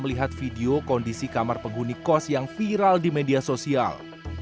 melihat video kondisi kamar penghuni kos yang viral di media sosial